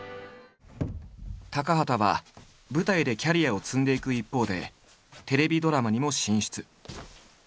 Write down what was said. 高畑は舞台でキャリアを積んでいく一方でテレビドラマにも進出。